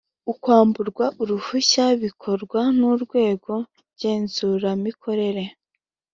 ukwamburwa uruhushya bikorwa n’urwego ngenzuramikorere